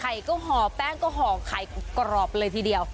ก็ห่อแป้งก็ห่อไข่กรอบเลยทีเดียว